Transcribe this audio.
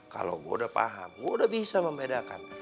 kalau gue udah paham gue udah bisa membedakan